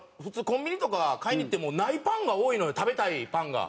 コンビニとか買いに行ってもないパンが多いのよ食べたいパンが。